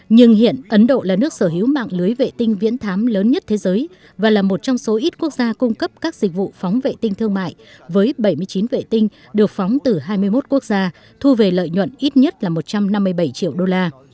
nhưng hiện ấn độ là nước sở hữu mạng lưới vệ tinh viễn thám lớn nhất thế giới và là một trong số ít quốc gia cung cấp các dịch vụ phóng vệ tinh thương mại với bảy mươi chín vệ tinh được phóng từ hai mươi một quốc gia thu về lợi nhuận ít nhất là một trăm năm mươi bảy triệu đô la